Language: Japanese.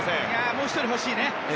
もう１人、欲しいね。